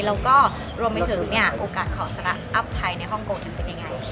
แล้วก็รวมไปถึงเนี่ยโอกาสของสระอัพไทยในฮ่องกงเป็นยังไง